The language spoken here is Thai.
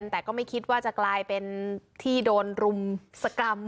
แต่ก็ไม่คิดว่าจะกลายเป็นที่โดนรุมสกรรม